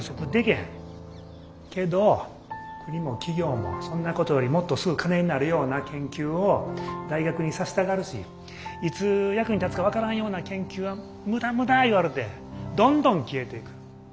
けど国も企業もそんなことよりもっとすぐ金になるような研究を大学にさせたがるしいつ役に立つか分からんような研究は無駄無駄言われてどんどん消えていく。